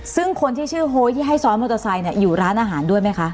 ซึ่งคนที่ชื่อโฮยที่ให้ซ้อนมอเตอร์ไซค์อยู่ร้านอาหารด้วยไหมคะ